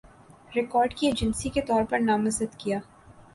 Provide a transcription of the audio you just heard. record کی agency کے طور پر نامزد کِیا